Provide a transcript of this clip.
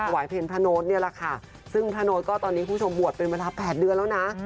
วายเพลงพระโน้ตนี่แหละค่ะซึ่งพระโน๊ตก็ตอนนี้คุณผู้ชมบวชเป็นเวลา๘เดือนแล้วนะ